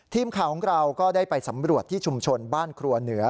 ทีมข่าวของเราก็ได้ไปสำรวจที่ชุมชนบ้านครัวเหนือ